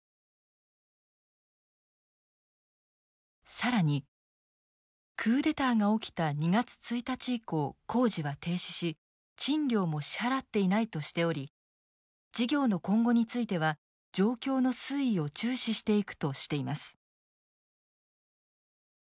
更に「クーデターが起きた２月１日以降工事は停止し賃料も支払っていない」としており「事業の今後については状況の推移を注視していく」としています。